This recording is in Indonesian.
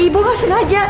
ibu ga sengaja